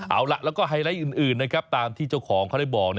เอาล่ะแล้วก็ไฮไลท์อื่นนะครับตามที่เจ้าของเขาได้บอก